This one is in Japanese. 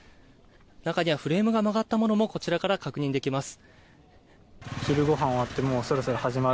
中にはフレームが曲がったものもこちらから確認できます。